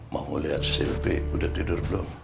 mau liat selfie udah tidur belum